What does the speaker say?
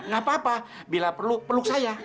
nggak apa apa bila peluk peluk saya